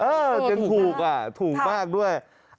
อื้อจนถูกถูกมากด้วย